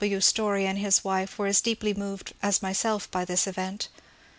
W. W. Story and his wife were as deeply moved as myself by this event.